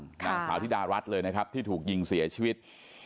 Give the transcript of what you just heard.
นางสาวธิดารัฐเลยนะครับที่ถูกยิงเสียชีวิต